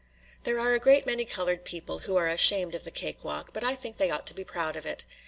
There are a great many colored people who are ashamed of the cake walk, but I think they ought to be proud of it.